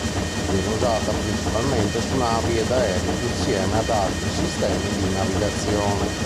Viene usata principalmente su navi ed aerei insieme ad altri sistemi di navigazione.